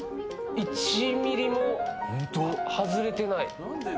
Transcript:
１ｍｍも外れてない。